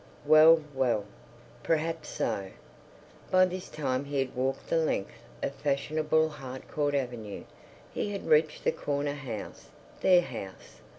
Well, well. Perhaps so.... By this time he had walked the length of fashionable Harcourt Avenue; he had reached the corner house, their house.